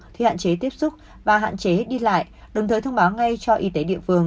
khi hạn chế tiếp xúc và hạn chế đi lại đồng thời thông báo ngay cho y tế địa phương